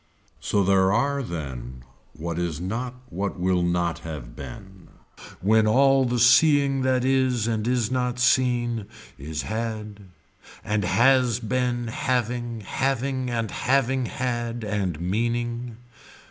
So there are then what is not what will not have been when all the seeing that is and is not seen is had and has been having having and having had and meaning.